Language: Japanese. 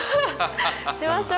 しましょ。